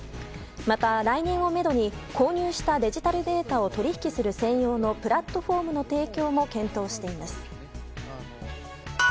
また、来年をめどに購入したデジタルデータを取引する専用のプラットフォームの提供も検討しています。